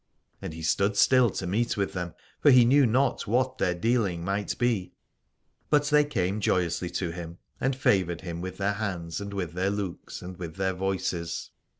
And he stood still to meet with them, for he knew not what their dealing might be : but they came joyously to him and favoured him with their hands and with their looks and with their voices.